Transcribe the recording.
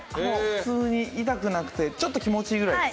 普通に痛くなくてちょっと気持ちいいぐらいです。